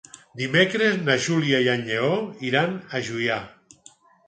Dimecres na Júlia i en Lleó iran a Juià.